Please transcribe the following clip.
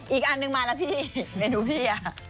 อีกอันนึงมาแล้วพี่เมนูพี่